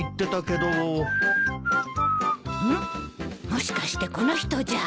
もしかしてこの人じゃ。